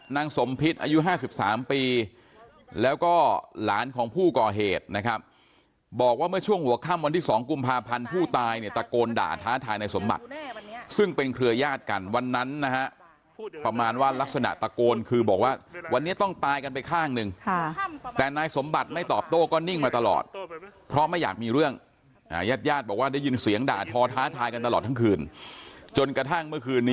นะครับบอกว่าเมื่อช่วงหัวค่ำวันที่๒กุมภาพันธ์ผู้ตายเนี่ยตะโกนด่าท้าทายในสมบัติซึ่งเป็นเครือยาดกันวันนั้นนะฮะประมาณว่ารักษณะตะโกนคือบอกว่าวันนี้ต้องตายกันไปข้างนึงแต่นายสมบัติไม่ตอบโต้ก็นิ่งมาตลอดเพราะไม่อยากมีเรื่องยาดบอกว่าได้ยินเสียงด่าท้อท้าทายกันตลอดทั้ง